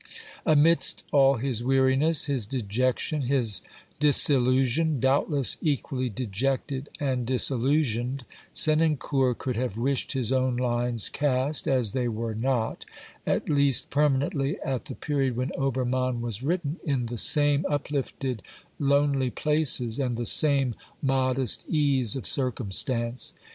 Amidst all his weariness, his dejection, his disillusion, doubtless equally dejected and disillusionised, Senancour could have wished his own lines cast, as they were not, at least permanently at the period when Obertnann was written, in the same uplifted, lonely places and the same modest ease of circumstance.